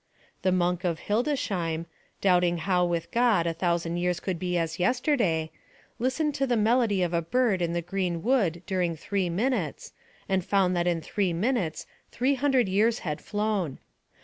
The monk of Hildesheim, doubting how with God a thousand years could be as yesterday, listened to the melody of a bird in the green wood during three minutes, and found that in three minutes three hundred years had flown.